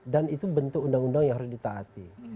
dan itu bentuk undang undang yang harus ditaati